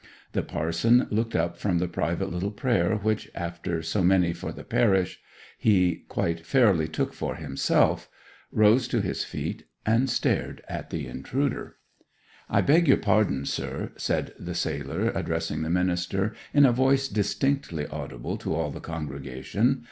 The parson looked up from the private little prayer which, after so many for the parish, he quite fairly took for himself; rose to his feet, and stared at the intruder. 'I beg your pardon, sir,' said the sailor, addressing the minister in a voice distinctly audible to all the congregation.